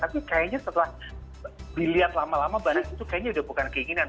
tapi kayaknya setelah dilihat lama lama balis itu kayaknya udah bukan keinginan